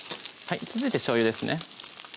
続いてしょうゆですね